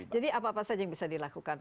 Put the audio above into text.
jadi apa saja yang bisa dilakukan